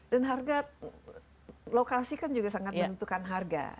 dan harga lokasi kan juga sangat menentukan harga